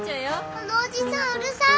あのおじさんうるさい。